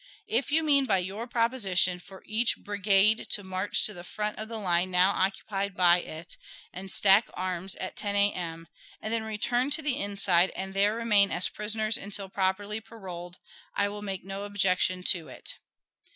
If you mean by your proposition for each brigade to march to the front of the line now occupied by it, and stack arms at 10 A.M., and then return to the inside and there remain as prisoners until properly paroled, I will make no objection to it.